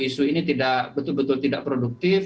isu ini tidak betul betul tidak produktif